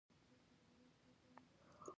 زه د نوو مضامینو مطالعه کوم.